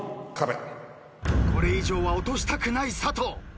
これ以上は落としたくない佐藤。